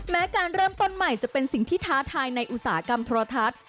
แม้การเริ่มต้นใหม่จะเป็นสิ่งที่ท้าทายในอุตสาหกรรมโทรทัศน์